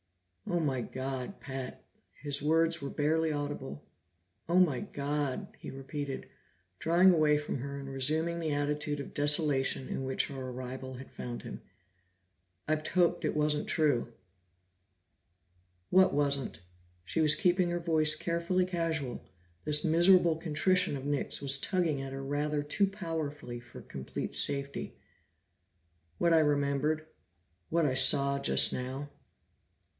"Oh my God, Pat!" His words were barely audible. "Oh my God!" he repeated, drawing away from her and resuming the attitude of desolation in which her arrival had found him. "I've hoped it wasn't true!" "What wasn't?" She was keeping her voice carefully casual; this miserable contrition of Nick's was tugging at her rather too powerfully for complete safety. "What I remembered. What I saw just now."